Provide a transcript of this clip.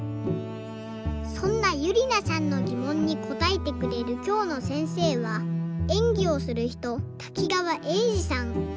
そんなゆりなさんのぎもんにこたえてくれるきょうのせんせいはえんぎをするひと滝川英治さん。